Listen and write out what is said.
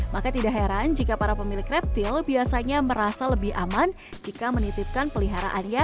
maka tidak heran jika para pemilik reptil biasanya merasa lebih aman jika menitipkan peliharaannya